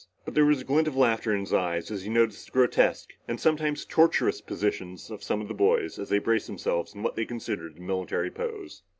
But there was a glint of laughter in his eyes as he noticed the grotesque and sometimes tortuous positions of some of the boys as they braced themselves in what they considered a military pose.